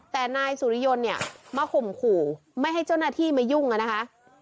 แต่นายสุริยนต์เนี่ยมาข่มขู่ไม่ให้เจ้าหน้าที่มายุ่งอ่ะนะคะ